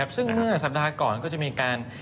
ซึ่งเมื่อสัปดาห์ก่อนก็จะมีการ